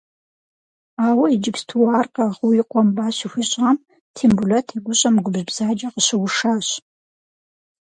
Ауэ иджыпсту ар къэгъыу и къуэм ба щыхуищӏам, Тембулэт и гущӏэм губжь бзаджэ къыщыушащ.